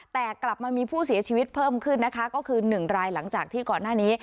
แต่กลับมามีผู้เสียชีวิตเพิ่มขึ้นนะคะก็คือ๑รายหลังจากที่ก่อนหน้านี้